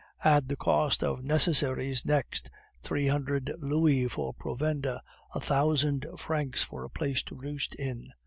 Add the cost of necessaries next; three hundred louis for provender, a thousand francs for a place to roost in.